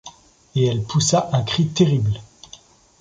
Et elle poussa un cri terrible.